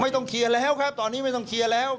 ต้องเคลียร์แล้วครับตอนนี้ไม่ต้องเคลียร์แล้ว